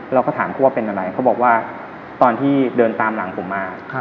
เราก็ถามเขาว่าเป็นอะไรเขาบอกว่าตอนที่เดินตามหลังผมมา